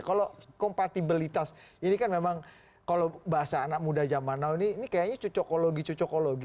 kalau kompatibilitas ini kan memang kalau bahasa anak muda zaman now ini kayaknya cocokologi cocokologi